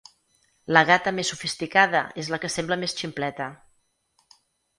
La gata més sofisticada és la que sembla més ximpleta.